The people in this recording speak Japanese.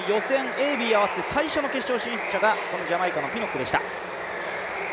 Ａ、Ｂを合わせて最初の決勝進出者がこのジャマイカのピノックでした。